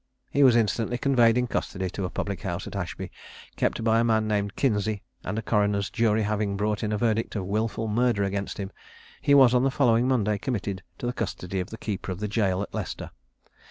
He was instantly conveyed in custody to a public house at Ashby, kept by a man named Kinsey; and a coroner's jury having brought in a verdict of wilful murder against him, he was on the following Monday committed to the custody of the keeper of the jail at Leicester.